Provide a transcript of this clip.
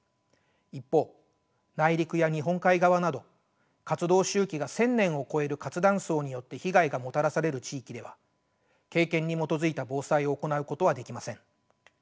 一方内陸や日本海側など活動周期が１，０００年を超える活断層によって被害がもたらされる地域では経験に基づいた防災を行うことはできません。